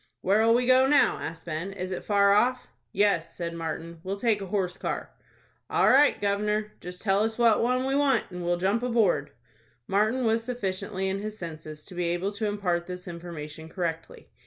"Where'll we go now?" asked Ben. "Is it far off?" "Yes," said Martin. "We'll take a horse car." "All right, gov'nor; just tell us what one we want, and we'll jump aboard." Martin was sufficiently in his senses to be able to impart this information correctly.